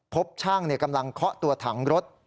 พบช่างกำลังเคาะตัวถังรถ